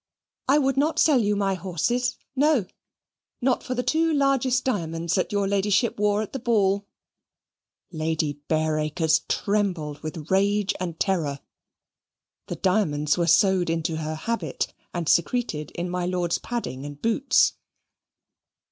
I would not sell you my horses, no, not for the two largest diamonds that your Ladyship wore at the ball." Lady Bareacres trembled with rage and terror. The diamonds were sewed into her habit, and secreted in my Lord's padding and boots.